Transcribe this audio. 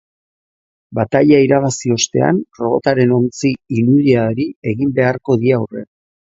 Bataila irabazi ostean robotaren ontzi inudeari egin beharko die aurre.